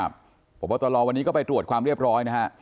บทบทะลอวันนี้ไปตรวจความเรียบร้อย